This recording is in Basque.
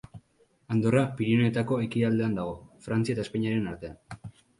Andorra Pirinioetako ekialdean dago, Frantzia eta Espainiaren artean.